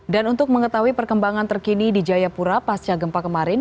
dan untuk mengetahui perkembangan terkini di jayapura pasca gempa kemarin